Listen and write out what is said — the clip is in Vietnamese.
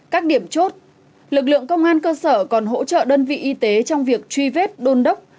các điểm chốt lực lượng công an cơ sở còn hỗ trợ đơn vị y tế trong việc truy vết đôn đốc